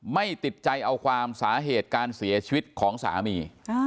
ไม่ติดใจเอาความสาเหตุการเสียชีวิตของสามี